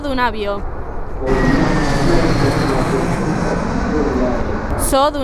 Por mi, tio estas la perfekta interrilato.